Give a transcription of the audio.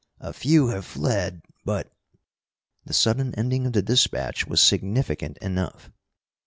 A few have fled, but " The sudden ending of the dispatch was significant enough.